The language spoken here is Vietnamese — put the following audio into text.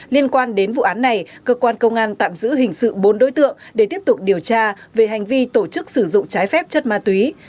liên quan đến vụ án này cơ quan công an tạm giữ hình sự bốn đối tượng để tiếp tục điều tra về hành vi tổ chức sử dụng trái phép chất ma túy